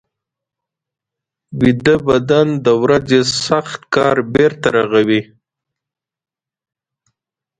ویده بدن د ورځې سخت کار بېرته رغوي